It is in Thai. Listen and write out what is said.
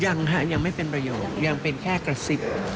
ยังฮะยังไม่เป็นประโยคยังเป็นแค่กระซิบ